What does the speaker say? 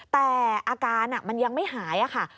แต่อาการมันยังไม่หายค่ะ